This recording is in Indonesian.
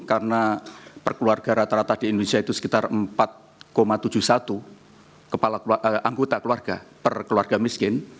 karena perkeluarga rata rata di indonesia itu sekitar empat tujuh puluh satu anggota keluarga perkeluarga miskin